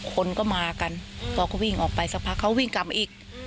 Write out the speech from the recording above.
คนก็มากันพอก็วิ่งออกไปสักพักเขาวิ่งกลับมาอีก